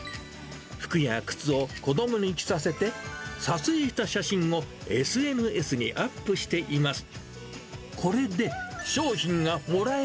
服や靴を子どもに着させて、撮影した写真をＳＮＳにアップしています。